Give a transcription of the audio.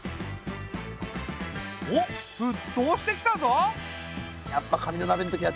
おっ沸騰してきたぞ！